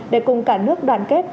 để cùng cả nước đoàn kết